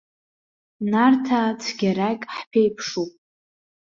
Нарҭаа цәгьарак ҳԥеиԥшуп.